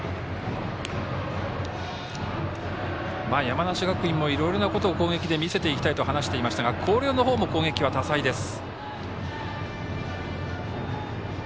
山梨学院もいろいろな攻撃で見せていきたいと話していましたが広陵の方も攻撃は多彩です。